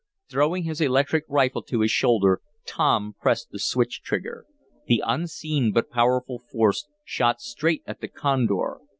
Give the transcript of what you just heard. Throwing his electric rifle to his shoulder, Tom pressed the switch trigger. The unseen but powerful force shot straight at the condor.